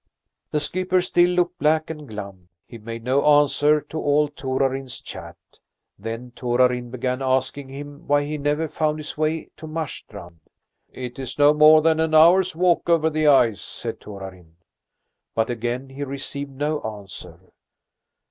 The skipper still looked black and glum; he made no answer to all Torarin's chat. Then Torarin began asking him why he never found his way to Marstrand. "It is no more than an hour's walk over the ice," said Torarin. But again he received no answer.